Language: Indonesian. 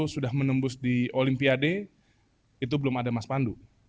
dua ribu dua puluh sudah menembus di olimpiade itu belum ada mas pandu